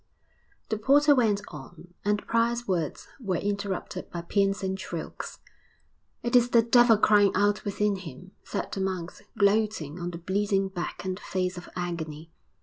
The porter went on, and the prior's words were interrupted by piercing shrieks. 'It is the devil crying out within him,' said the monks, gloating on the bleeding back and the face of agony.